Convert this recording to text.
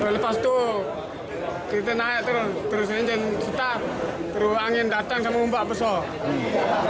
lepas itu kita naik terus terus angin datang sama ombak besar